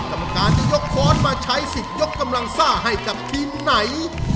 กรรมการจะยกค้อนมาใช้สิทธิ์ยกกำลังซ่าให้กับทีมไหน